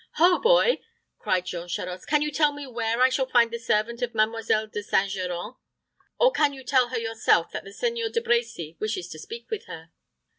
"Ho, boy!" cried Jean Charost; "can you tell me where I shall find the servant of Mademoiselle De St. Geran; or can you tell her yourself that the Seigneur de Brecy wishes to speak with her?"